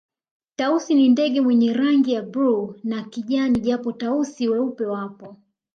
Tausi ni ndege mwenye rangi ya bluu na kijani japo Tausi weupe wapo